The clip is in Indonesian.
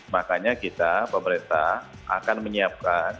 makanya kita pemerintah akan menyiapkan